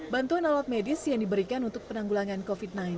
bantuan alat medis yang diberikan untuk penanggulangan covid sembilan belas